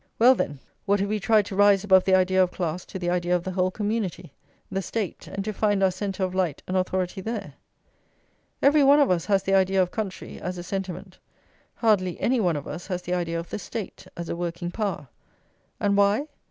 Well, then, what if we tried to rise above the idea of class to the idea of the whole community, the State, and to find our centre of light and authority there? Every one of us has the idea of country, as a sentiment; hardly any one of us has the idea of the State, as a working power. And why?